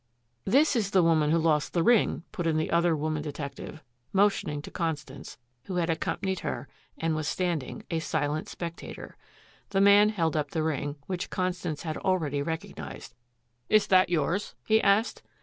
"This is the woman who lost the ring," put in the other woman detective, motioning to Constance, who had accompanied her and was standing, a silent spectator. The man held up the ring, which Constance had already recognized. "Is that yours?" he asked.